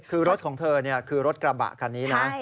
คือรถของเธอคือรถกระบะคันนี้นะ